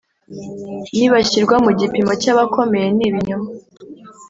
Nibashyirwa mu gipimo cy’abakomeye ni ibinyoma